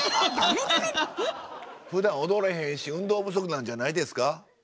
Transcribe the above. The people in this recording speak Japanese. ふだん踊れへんし運動不足なんじゃないですか？